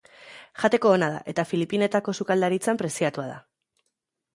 Jateko ona da eta Filipinetako sukaldaritzan preziatua da.